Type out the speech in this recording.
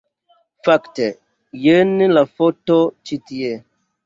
Fakte, jen la foto ĉi tie